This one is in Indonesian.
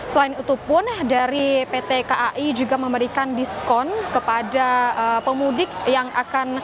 selain itu pun dari pt kai juga memberikan diskon kepada pemudik yang akan